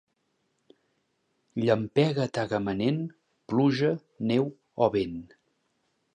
Llampega a Tagamanent, pluja, neu o vent.